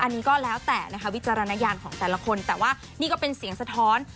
อันนี้ก็แล้วแต่นะคะวิจารณญาณของแต่ละคนแต่ว่านี่ก็เป็นเสียงสะท้อน